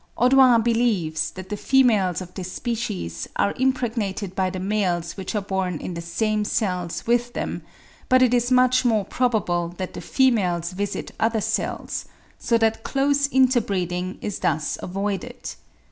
Audouin believes that the females of this species are impregnated by the males which are born in the same cells with them; but it is much more probable that the females visit other cells, so that close inter breeding is thus avoided.